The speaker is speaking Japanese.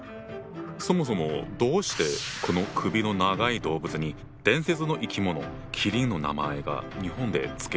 そもそもどうしてこの首の長い動物に伝説の生き物麒麟の名前が日本で付けられたんだ？